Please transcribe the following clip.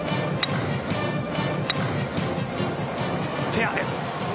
フェアです。